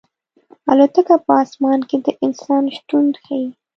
الوتکه په اسمان کې د انسان شتون ښيي.